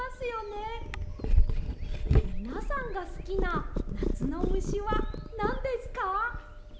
みなさんがすきななつのむしはなんですか？